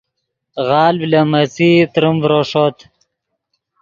غالڤ لے میݯئی تریم ڤرو ݰوت